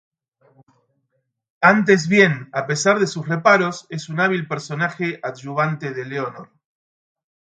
Antes bien, a pesar de sus reparos, es un hábil personaje adyuvante de Leonor.